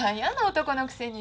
男のくせに。